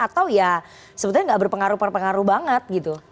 atau ya sebenarnya gak berpengaruh pengaruh banget gitu